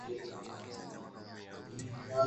Tembea mbele uniongoze kwa kuwa sijui njia